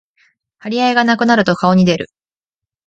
張り合いがなくなると顔に出る